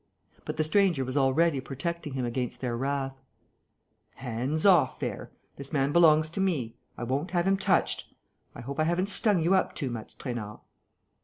But the stranger was already protecting him against their wrath: "Hands off there! This man belongs to me. I won't have him touched.... I hope I haven't stung you up too much, Trainard?"